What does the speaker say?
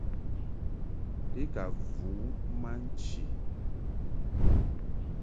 I ka vu ma nchi.